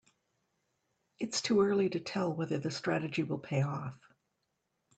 It's too early to tell whether the strategy will pay off.